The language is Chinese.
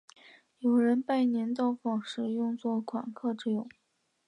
有人拜年到访时用作款客之用。